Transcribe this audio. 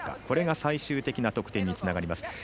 これが最終的な得点につながります。